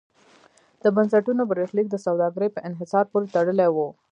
د بنسټونو برخلیک د سوداګرۍ په انحصار پورې تړلی و.